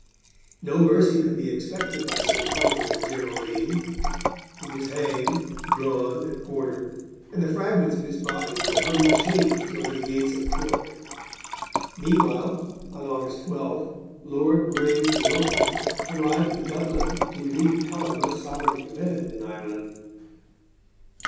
No mercy could be expected by so prominent a Geraldine; he was hanged, drawn and quartered, and the fragments of his body were hung in chains over the gates of Cork. Meanwhile, on August 12, Lord Grey de Wilton arrived in Dublin to relieve Pelham of sovereign command in Ireland.